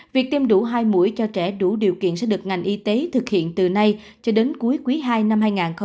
việc tiêm đủ hai mũi cho trẻ đủ điều kiện sẽ được ngành y tế thực hiện từ nay cho đến cuối quý ii năm hai nghìn hai mươi